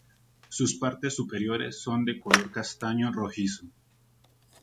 Sus partes superiores son de color castaño rojizo.